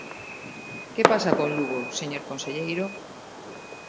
¿Que pasa con Lugo, señor conselleiro?